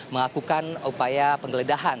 mengakukan upaya penggeledahan